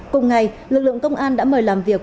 cùng ngày lực lượng công an đã mời làm việc